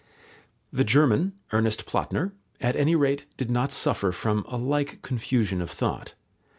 The German, Ernest Platner, at any rate did not suffer from a like confusion of thought.